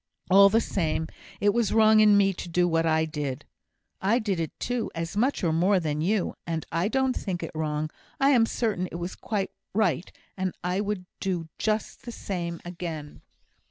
"All the same it was wrong in me to do what I did." "I did it too, as much or more than you. And I don't think it wrong. I'm certain it was quite right, and I would do just the same again."